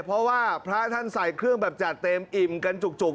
เพราะว่าพระท่านใส่เครื่องแบบจัดเต็มอิ่มกันจุก